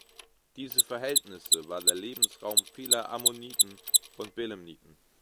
Diese Verhältnisse war der Lebensraum vieler Ammoniten und Belemniten.